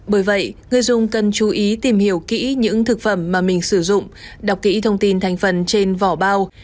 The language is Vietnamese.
bởi vậy người dùng cần chú ý tìm hiểu kỹ những thực phẩm mà mình sử dụng đọc kỹ thông tin thành phần trên vỏ bao